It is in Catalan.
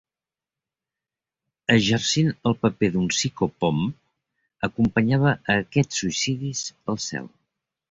Exercint el paper d'un psicopomp, acompanyava a aquests suïcidis al cel.